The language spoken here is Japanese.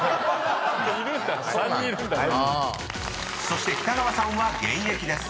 ［そして北川さんは現役です］